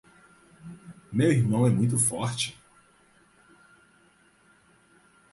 Meu irmão é muito forte.